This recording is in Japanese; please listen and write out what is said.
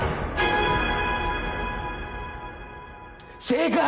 正解！